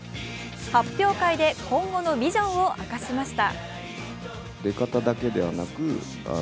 発表会で今後のビジョンを明かしました。